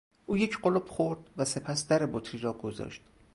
او یک قلپ خورد و سپس در بطری را گذاشت.